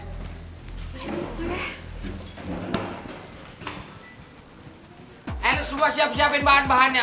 eh semua siap siapin bahan bahannya